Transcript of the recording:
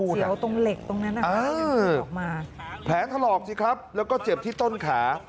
เสียวตรงเหล็กตรงนั้นหลุดออกมาแผลถลอกสิครับแล้วก็เจ็บที่ต้นขา